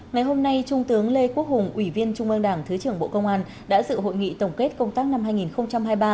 ngày hôm nay trung tướng lê quốc hùng ủy viên trung ương đảng thứ trưởng bộ công an đã dự hội nghị tổng kết công tác năm hai nghìn hai mươi ba